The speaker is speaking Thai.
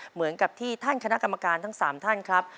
เหมือนกับที่ท่านคณะกรรมการทั้ง๓ท่านครับ